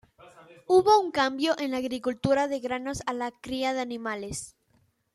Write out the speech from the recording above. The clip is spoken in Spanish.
Hubo un cambio en la agricultura de granos a la cría de animales.